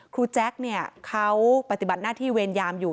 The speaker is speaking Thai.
แจ๊คเนี่ยเขาปฏิบัติหน้าที่เวรยามอยู่